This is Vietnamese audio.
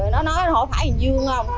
rồi nó nói hỏi phải anh dương không